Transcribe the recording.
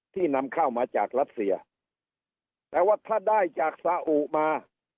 นำเข้ามาจากรัสเซียแต่ว่าถ้าได้จากสาอุมา